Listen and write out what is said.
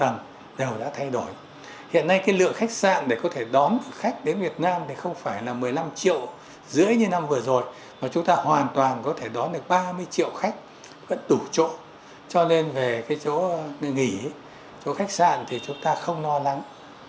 nhiều khách đến việt nam không phải là một mươi năm triệu rưỡi như năm vừa rồi mà chúng ta hoàn toàn có thể đón được ba mươi triệu khách vẫn đủ chỗ cho nên về cái chỗ nghỉ chỗ khách sạn thì chúng ta không lo lắng